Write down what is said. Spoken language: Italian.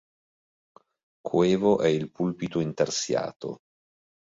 Coevo è il pulpito intarsiato.